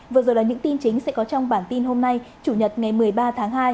vừa rồi là những tin chính sẽ có trong bản tin hôm nay chủ nhật ngày một mươi ba tháng hai